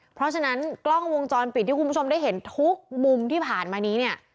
เพราะฉะนั้นกล้องวงจรปิดที่คุณผู้ชมได้เห็นทุกมุมที่ผ่านมานี้เนี่ย